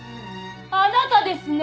あなたですね。